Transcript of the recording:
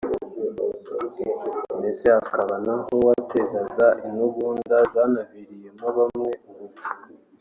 ndetse hakaba n’aho watezaga intugunda zanaviriyemo bamwe urupfu